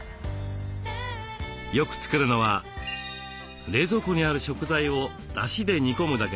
よく作るのは冷蔵庫にある食材をだしで煮込むだけの「だしポトフ」。